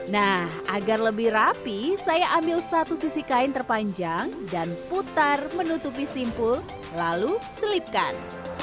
nah agar lebih rapi saya ambil satu sisi kain terpanjang dan putar menutupi simpul lalu selipkan